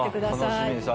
楽しみです。